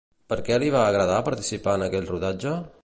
Per què li va agradar participar en aquell rodatge?